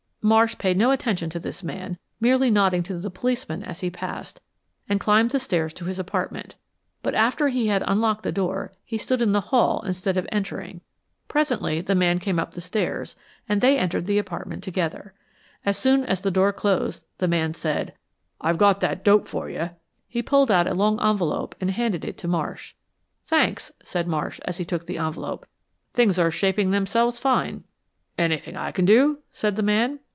Marsh paid no attention to this man, merely nodding to the policeman as he passed, and climbed the stairs to his apartment. But after he had unlocked the door he stood in the hall instead of entering. Presently the man came up the stairs and they entered the apartment together. As soon as the door closed the man said, "I've got that dope for you." He pulled out a long envelope and handed it to Marsh. "Thanks," said Marsh as he took the envelope. "Things are shaping themselves fine." "Anything I can do?" asked the man.